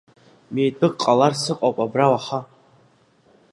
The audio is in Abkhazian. Митәык ҟаларц иҟоуп абра уаха…